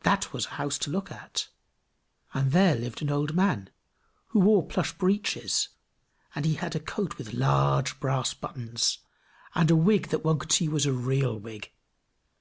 That was a house to look at; and there lived an old man, who wore plush breeches; and he had a coat with large brass buttons, and a wig that one could see was a real wig.